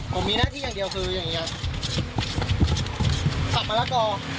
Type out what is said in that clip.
ผมมีหน้าที่อย่างเดียวคือสับมะละกอ